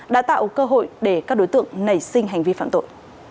đã tạo cơ hội để các đối tượng nảy sinh hành vi phạm tội